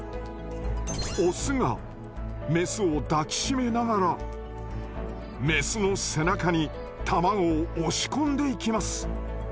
オスがメスを抱き締めながらメスの背中に卵を押し込んでいきます。